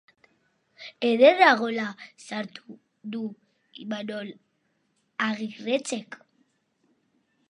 Ederra gola sartu du Imanol Agirretxek!